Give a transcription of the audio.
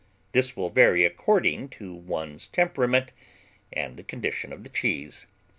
This will vary according to one's temperament and the condition of the cheese.